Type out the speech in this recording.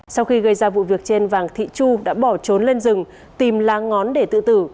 sau khi gây ra vụ việc trên vàng thị chu đã bỏ trốn lên rừng tìm lá ngón để tự tử